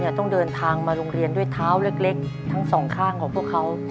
ต้องเดินทางมาโรงเรียนด้วยเท้าเล็กทั้งสองข้างของพวกเขา